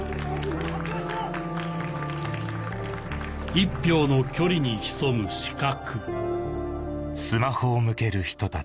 ・「一票の距離」に潜む「死角」